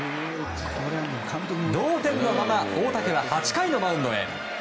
同点のまま大竹は８回のマウンドへ。